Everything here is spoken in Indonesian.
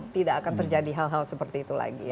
tidak akan terjadi hal hal seperti itu lagi